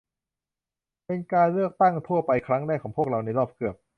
เป็นการเลือกตั้งทั่วไปครั้งแรกของพวกเราในรอบเกือบ